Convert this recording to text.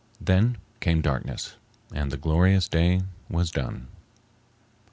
Then came darkness, and the glorious day was done.